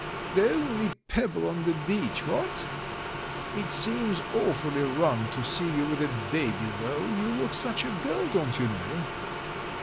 The only pebble on the beach, what? It seems awfully rum to see you with a baby though — you look such a girl, don't you know."